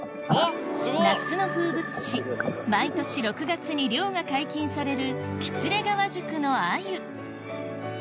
毎年６月に漁が解禁される喜連川宿の鮎